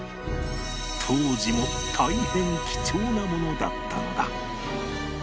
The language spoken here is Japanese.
当時も大変貴重なものだったのだ